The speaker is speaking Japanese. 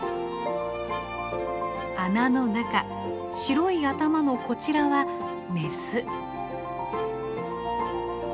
穴の中白い頭のこちらはメス。